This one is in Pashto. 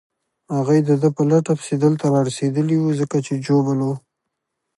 هغوی د ده په لټه پسې دلته رارسېدلي وو، ځکه چې ژوبل وو.